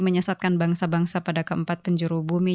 menyesatkan bangsa bangsa pada keempat penjuru bumi